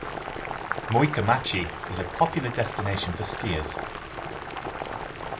Muikamachi is a popular destination for skiers.